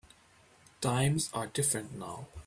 Times are different now.